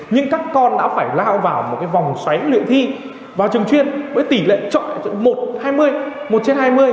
nhưng các con đã phải lao vào một cái vòng xoáy luyện thi vào trường chuyên với tỷ lệ trọi một trên hai mươi